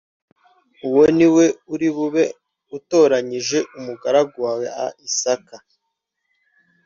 uwo ni we uri bube utoranyirije umugaragu wawe a isaka